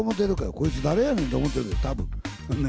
こいつ誰やねん？と思ってるよ、たぶん、ね。